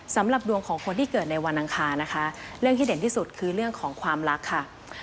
สำหรับดวงของคนที่เกิดในวันอังคารนะคะเรื่องที่เด่นที่สุดคือเรื่องของความรักค่ะ